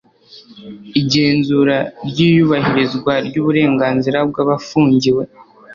igenzura ry iyubahirizwa ry uburenganzira bw abafungiwe